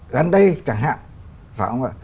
gần đây chẳng hạn